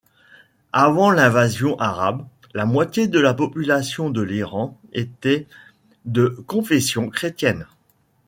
Avant l'invasion arabe, la moitié de la population de l'Iran était de confession chrétienne.